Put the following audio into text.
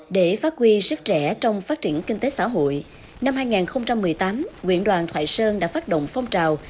để phát huy sức trẻ trong phát triển kinh tế xã hội năm hai nghìn một mươi tám nguyễn đoàn thoại sơn đã phát động phong trào